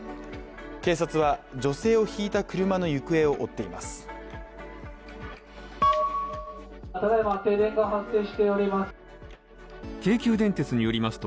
警察は女性をひいた車の行方を追っています。